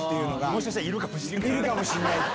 もしかしたらいるかもしんないから。